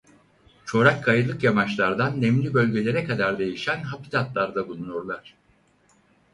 Çorak kayalık yamaçlardan nemli bölgelere kadar değişen habitatlarda bulunurlar.